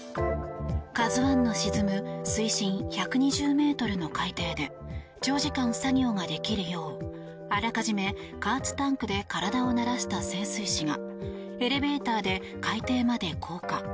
「ＫＡＺＵ１」の沈む水深１２０ｍの海底で長時間作業ができるようあらかじめ加圧タンクで体を慣らした潜水士がエレベーターで海底まで降下。